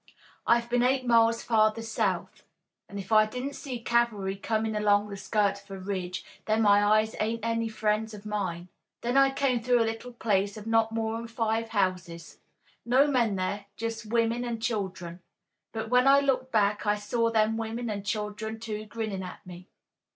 "I've been eight miles farther south, an' if I didn't see cavalry comin' along the skirt of a ridge, then my eyes ain't any friends of mine. Then I came through a little place of not more'n five houses. No men there, just women an' children, but when I looked back I saw them women an' children, too, grinnin' at me.